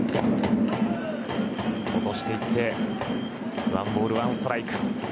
落としていって１ボール１ストライク。